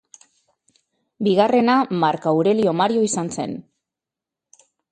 Bigarrena, Marko Aurelio Mario izan zen.